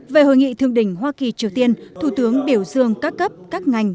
về hội nghị thương đỉnh hoa kỳ triều tiên thủ tướng biểu dương các cấp các ngành